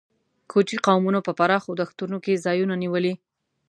کوچي قومونو په پراخو دښتونو کې ځایونه نیولي.